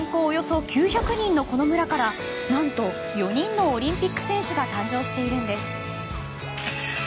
およそ９００人のこの村から何と、４人のオリンピック選手が誕生しているんです。